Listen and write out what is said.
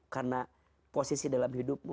karena posisi dalam hidupmu